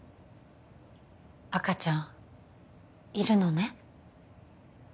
赤ちゃんいるのね？